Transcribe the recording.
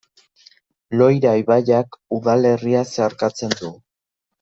Loira ibaiak udalerria zeharkatzen du.